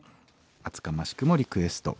厚かましくもリクエスト。